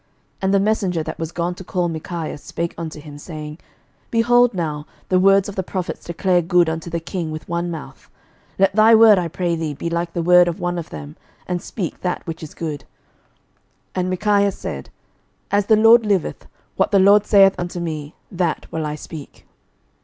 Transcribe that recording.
11:022:013 And the messenger that was gone to call Micaiah spake unto him, saying, Behold now, the words of the prophets declare good unto the king with one mouth: let thy word, I pray thee, be like the word of one of them, and speak that which is good. 11:022:014 And Micaiah said, As the LORD liveth, what the LORD saith unto me, that will I speak.